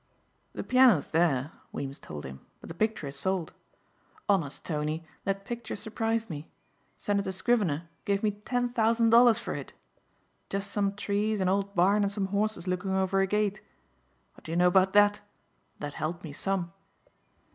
"The piano's there," Weems told him, "but the picture is sold. Honest, Tony, that picture surprised me. Senator Scrivener gave me ten thousand dollars for it. Just some trees, an old barn and some horses looking over a gate. What do you know about that? That helped me some."